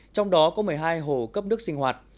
trong đó có một mươi hai hồ cấp nước sinh hoạt